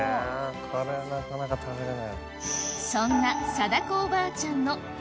これはなかなか食べれない。